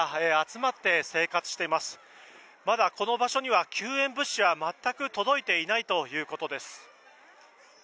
まだこの場所には救援物資は全く届いていないということです。